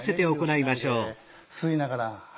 吸いながら。